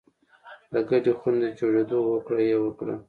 د ګډې خونې د جوړېدو هوکړه یې وکړه